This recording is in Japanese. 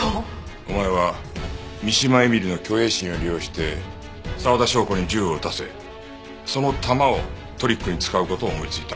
お前は三島絵美里の虚栄心を利用して沢田紹子に銃を撃たせその弾をトリックに使う事を思いついた。